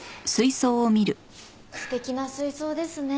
素敵な水槽ですね。